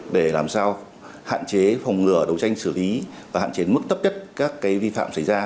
để làm sao hạn chế phòng ngừa đấu tranh xử lý và hạn chế mức thấp nhất các vi phạm xảy ra